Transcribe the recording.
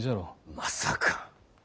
まさか。